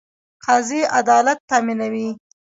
قاضي عدالت تامینوي